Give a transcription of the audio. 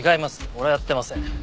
俺はやってません。